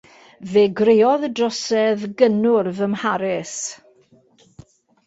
Fe greodd y drosedd gynnwrf ym Mharis.